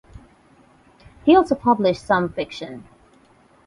He also published some fiction.